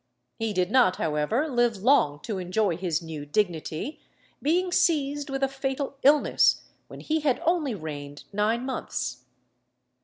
He did not, however, live long to enjoy his new dignity, being seized with a fatal illness when he had only reigned nine months.